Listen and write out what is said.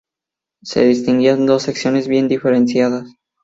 Se distinguían dos secciones bien diferenciadas.